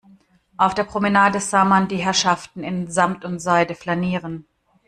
Auf der Promenade sah man die Herrschaften in Samt und Seide flanieren.